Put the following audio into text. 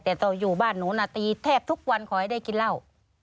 แต่ต่ออยู่บ้านหนูน่ะตีแทบทุกวันขอให้ได้กินเหล้า